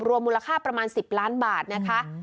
มูลค่าประมาณ๑๐ล้านบาทนะคะ